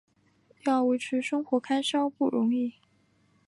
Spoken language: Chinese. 要维持生活开销不容易